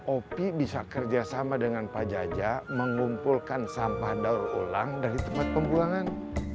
opi bisa kerjasama dengan pak jaja mengumpulkan sampah daur ulang dari tempat pembuangan